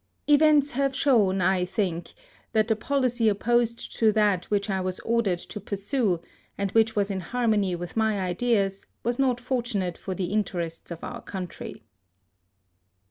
Events have shown, I think, that the policy opposed to that which I was ordered to pursue, and which was in harmony with my ideas, was not fortunate for the interests of our country.